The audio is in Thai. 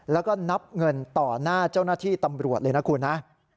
แล้วก็นับเงินต่อหน้าเจ้าหน้าที่ตำรวจเลยนะคุณนะ